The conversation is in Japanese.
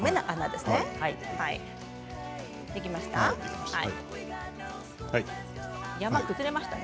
できました。